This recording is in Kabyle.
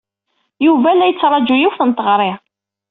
Yuba la yettṛaju yiwet n teɣri.